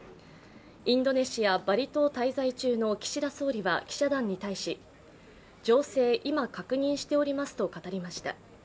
インドネシア・バリ島滞在中の岸田総理は記者団に対し情勢、今、確認しておりますと語りました。